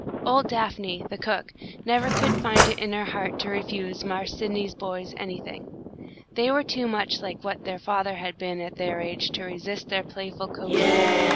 Old Daphne, the cook, never could find it in her heart to refuse "Marse Sydney's" boys anything. They were too much like what their father had been at their age to resist their playful coaxing.